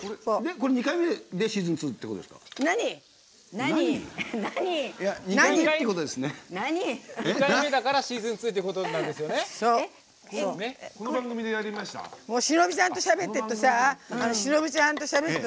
これ、２回目でシーズンＩＩってことですか？